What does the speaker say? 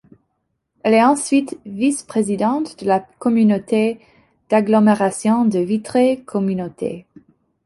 Elle est ensuite vice-présidente de la Communauté d'agglomération de Vitré Communauté.